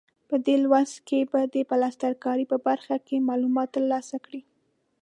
په دې لوست کې به د پلستر کارۍ په برخه کې معلومات ترلاسه کړئ.